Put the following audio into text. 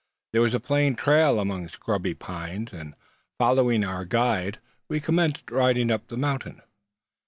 There was a plain trail among scrubby pines; and, following our guide, we commenced riding up the mountain.